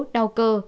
sáu đau cơ